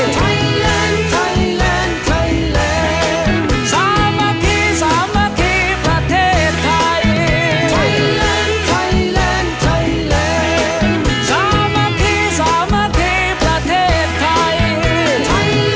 ไทยแลนด์ไทยแลนด์ไทยแลนด์สามนาคีสามนาคีประเทศไทย